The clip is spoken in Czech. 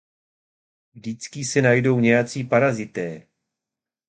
Vždycky se najdou nějací parazité.